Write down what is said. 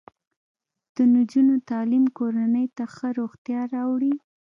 د نجونو تعلیم کورنۍ ته ښه روغتیا راوړي.